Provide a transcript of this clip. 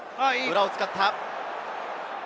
裏を使った。